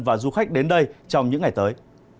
và du khách đến đây trong những ngày tới